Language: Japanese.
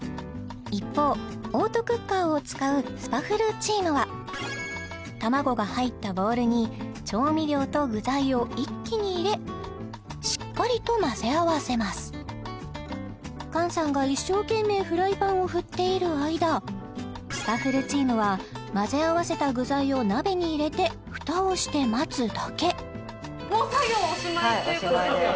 一方オートクッカーを使うスパフルチームは卵が入ったボウルに調味料と具材を一気に入れしっかりと混ぜ合わせます菅さんが一生懸命フライパンを振っている間スパフルチームは混ぜ合わせた具材を鍋に入れて蓋をして待つだけもう作業おしまいということですよね